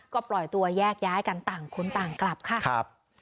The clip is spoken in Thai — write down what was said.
ก็ปล่อยตัวแยกย้ายกันต่างคนต่างกลับค่ะครับ